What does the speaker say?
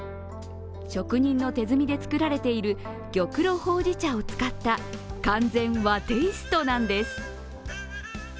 職人の手摘みで作られている玉露ほうじ茶を使った完全和テイストなんです。